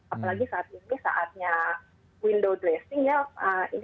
apalagi saat ini saatnya window dressing ya